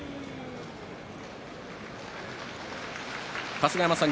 春日山さん